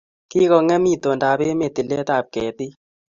Kingongem itondap emet tiletap ketik